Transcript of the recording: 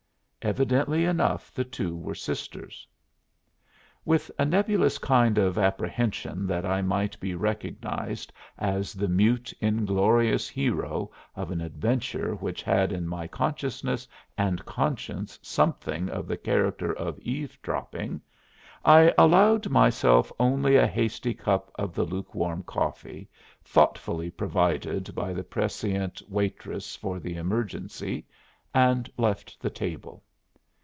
Evidently enough the two were sisters. With a nebulous kind of apprehension that I might be recognized as the mute inglorious hero of an adventure which had in my consciousness and conscience something of the character of eavesdropping, I allowed myself only a hasty cup of the lukewarm coffee thoughtfully provided by the prescient waitress for the emergency, and left the table.